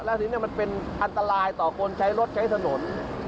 แล้วทีนี้มันเป็นอันตรายต่อคนใช้รถใช้ถนน